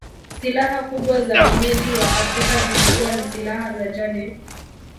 Silaha kubwa za wenyeji wa Afrika zilikuwa ni silaha za jadi